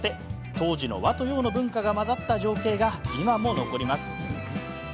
当時の和と洋の文化が混ざった情景が今も残ります。